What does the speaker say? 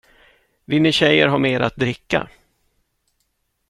Vill ni tjejer ha mer att dricka?